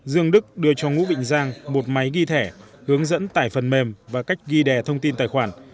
dương đức đưa cho ngũ vịnh giang một máy ghi thẻ hướng dẫn tải phần mềm và cách ghi đè thông tin tài khoản